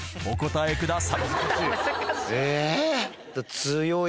お答えくださいえ？